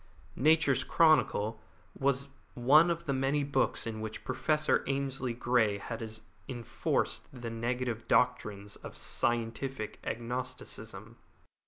Nature's Chronicle was one of the many books in which Professor Ainslie Grey had enforced the negative doctrines of scientific agnosticism.